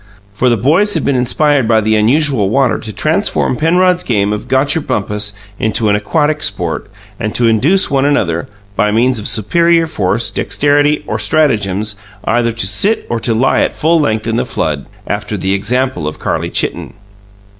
For the boys had been inspired by the unusual water to transform Penrod's game of "Gotcher bumpus" into an aquatic sport, and to induce one another, by means of superior force, dexterity, or stratagems, either to sit or to lie at full length in the flood, after the example of Carlie Chitten.